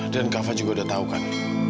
dan kava juga udah tahu kan